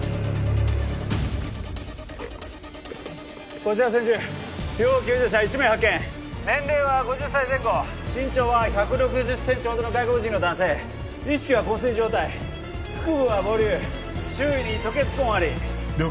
こちら千住要救助者１名発見年齢は５０歳前後身長は１６０センチほどの外国人の男性意識は昏睡状態腹部は膨隆周囲に吐血痕あり了解